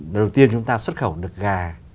đầu tiên chúng ta xuất khẩu được gà